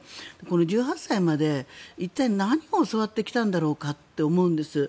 １８歳まで一体、何を教わってきたんだろうかと思うんです。